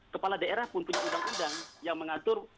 kepala daerah pun punya undang undang yang mengatur